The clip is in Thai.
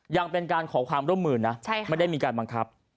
ยังเป็นการขอความร่วมมือนะไม่ได้มีการบังคับ